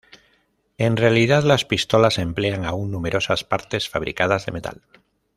En realidad, las pistolas emplean aún numerosas partes fabricadas de metal.